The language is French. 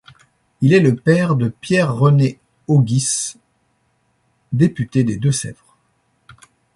Il est le père de Pierre René Auguis, député des Deux-Sèvres.